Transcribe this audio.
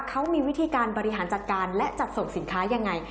เขามีวิธีการบริหารจัดการและจัดส่งสินค้ายังไง